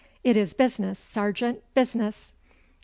It is business, sergeant, business!